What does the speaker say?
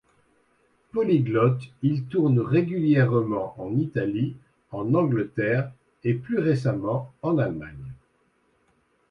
Polyglotte, il tourne régulièrement en Italie, en Angleterre et plus récemment en Allemagne.